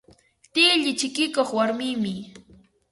Tilli chikikuq warmimi.